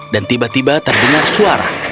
dan tiba tiba terdengar suara